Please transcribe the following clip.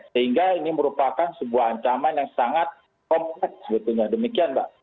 sehingga ini merupakan sebuah ancaman yang sangat kompleks sebetulnya demikian mbak